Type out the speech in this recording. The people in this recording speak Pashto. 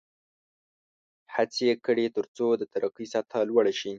هڅې یې کړې ترڅو د ترقۍ سطحه لوړه شي.